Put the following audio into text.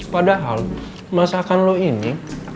padahal masakan lu ini